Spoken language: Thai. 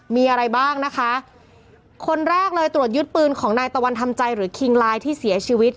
มีอะไรบ้างนะคะคนแรกเลยตรวจยึดปืนของนายตะวันทำใจหรือคิงลายที่เสียชีวิต